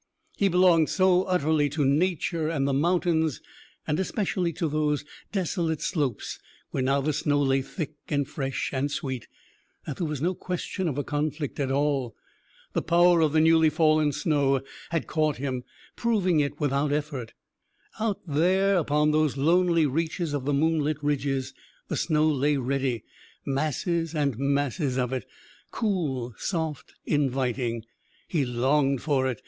He belonged so utterly to Nature and the mountains, and especially to those desolate slopes where now the snow lay thick and fresh and sweet, that there was no question of a conflict at all. The power of the newly fallen snow had caught him, proving it without effort. Out there, upon those lonely reaches of the moonlit ridges, the snow lay ready masses and masses of it cool, soft, inviting. He longed for it.